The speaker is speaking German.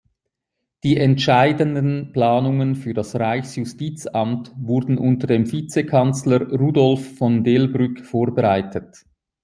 Die entscheidenden Planungen für das Reichsjustizamt wurden unter dem Vizekanzler Rudolph von Delbrück vorbereitet.